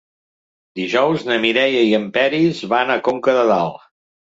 Dijous na Mireia i en Peris van a Conca de Dalt.